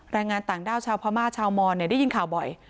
แรงงานต่างด้าวชาวพม่าชาวมอนได้ยินข่าวบ่อย